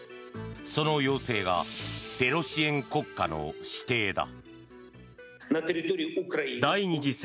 その要請がテロ支援国家の指定だ。